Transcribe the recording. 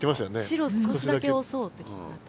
白少しだけ押そうって聞こえた。